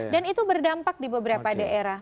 dan itu berdampak di beberapa daerah